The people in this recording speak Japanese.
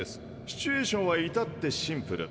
シチュエーションはいたってシンプル。